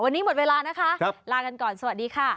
วันนี้หมดเวลานะคะลากันก่อนสวัสดีค่ะ